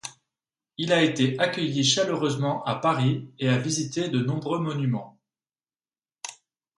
Il a été accueilli chaleureusement à Paris et a visité de nombreux monuments.